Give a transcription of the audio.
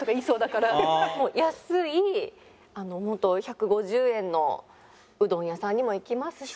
もう安い１５０円のうどん屋さんにも行きますし。